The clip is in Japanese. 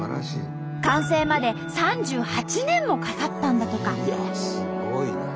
完成まで３８年もかかったんだとか。